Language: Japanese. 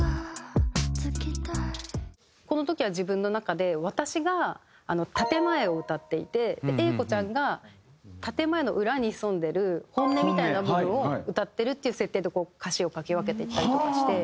この時は自分の中で私が建前を歌っていてａ子ちゃんが建前の裏に潜んでる本音みたいな部分を歌ってるっていう設定で歌詞を書き分けていたりとかして。